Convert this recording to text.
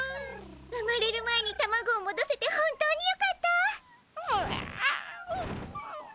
生まれる前にタマゴをもどせて本当によかった！